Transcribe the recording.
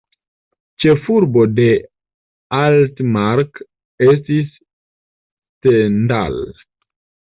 Ĉefurbo de Altmark estis Stendal.